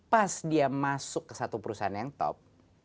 pas dia masuk ke satu perusahaan yang top